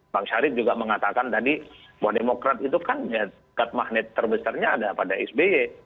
bang syarif juga mengatakan tadi bahwa demokrat itu kan ya tingkat magnet terbesarnya ada pada sby